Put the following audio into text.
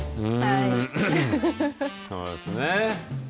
そうですね。